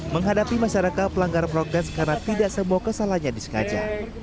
menghadapi masyarakat pelanggar progres karena tidak semua kesalahannya disengaja